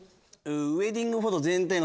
ウェディングフォト全体の。